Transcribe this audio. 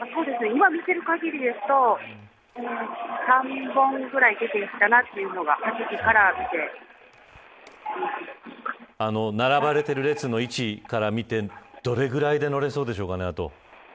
今見てる限りですと３本ぐらい出ていったなというのが並ばれている列の位置から見てどれぐらいで乗れそうでしょうかね、あと。